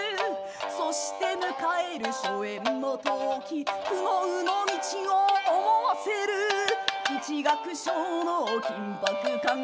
「そして迎える初演の時」「苦悩の道を思わせる一楽章の緊迫感が」